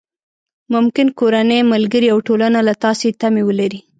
ممکن کورنۍ، ملګري او ټولنه له تاسې تمې ولري.